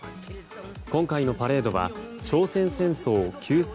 今回のパレードは朝鮮戦争休戦